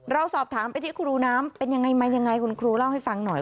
เราสอบถามไปที่ครูน้ำเป็นยังไงมายังไงคุณครูเล่าให้ฟังหน่อย